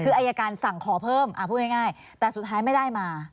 คืออายการสั่งขอเพิ่มพูดง่ายแต่สุดท้ายไม่ได้มา